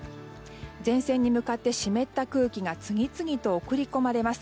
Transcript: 前線に向かって湿った空気が次々と送り込まれます。